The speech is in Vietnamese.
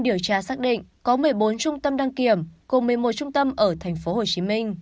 điều tra xác định có một mươi bốn trung tâm đăng kiểm cùng một mươi một trung tâm ở tp hcm